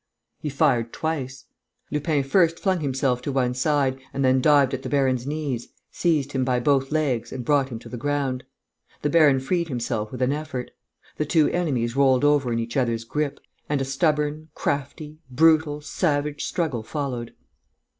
He fired twice. Lupin first flung himself to one side and then dived at the baron's knees, seized him by both legs and brought him to the ground. The baron freed himself with an effort. The two enemies rolled over in each other's grip; and a stubborn, crafty, brutal, savage struggle followed.